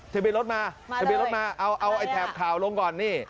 เทบียนรถมาเทบียนรถมาเอาแถบข่าวลงก่อนนี่